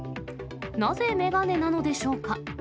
なぜ、眼鏡なのでしょうか。